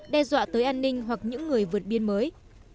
đe dọa tới an ninh hoặc những người vượt biên mới